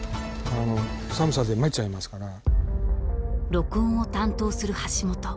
［録音を担当する橋本］